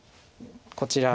こちら